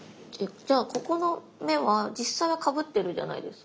じゃあここの目は実際はかぶってるじゃないですか。